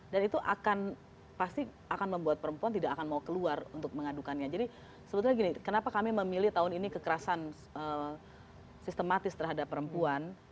dan itu akan pasti akan membuat perempuan tidak akan mau keluar untuk mengadukannya jadi sebetulnya gini kenapa kami memilih tahun ini kekerasan sistematis terhadap perempuan